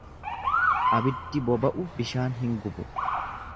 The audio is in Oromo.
Abiddi boba'u bishaan hin gubu.